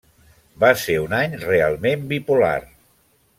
Va ser un any realment bipolar.